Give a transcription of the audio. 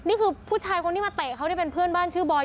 ผู้ชายคนที่มาเตะเขาที่เป็นเพื่อนบ้านชื่อบอย